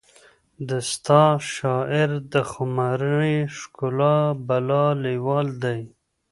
د ستا شاعر د خماري ښکلا بلا لیوال دی